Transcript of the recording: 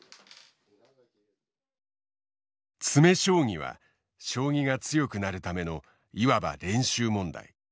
詰将棋は将棋が強くなるためのいわば練習問題。